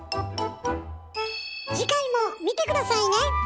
次回も見て下さいね！